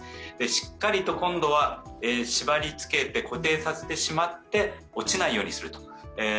しっかりと今度は縛りつけて固定させてしまって落ちないようにすると。